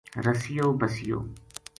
رسیو بسیو